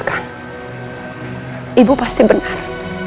bukan ibu sendiri yang benar